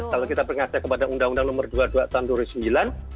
kalau kita berkaca kepada undang undang nomor dua puluh dua tahun dua ribu sembilan